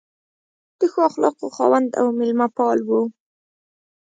د ښو اخلاقو خاوند او مېلمه پال و.